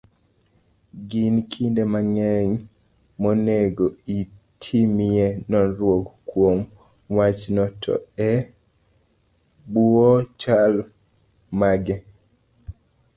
Gin kinde mage monego itimie nonro kuom wachno, to e bwo chal mage?